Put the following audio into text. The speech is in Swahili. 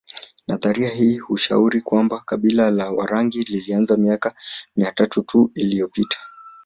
Nadharia hii hushauri kwamba kabila la Warangi lilianza miaka mia tatu tu iliyopita